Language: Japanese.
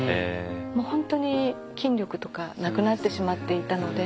もう本当に筋力とかなくなってしまっていたので。